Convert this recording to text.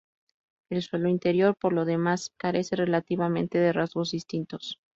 El suelo interior por lo demás carece relativamente de rasgos distintivos.